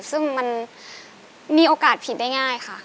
ซึ่งมันมีโอกาสผิดได้ง่ายค่ะ